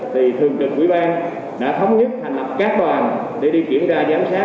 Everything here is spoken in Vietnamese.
thì thường trực quỹ ban đã thống nhất hành lập các bàn để đi kiểm tra giám sát